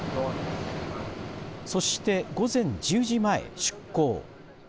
そして午前１０時前、出航。